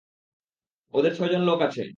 ওদের ছয়জন লোক আছে।